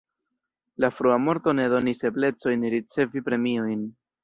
La frua morto ne donis eblecojn ricevi premiojn.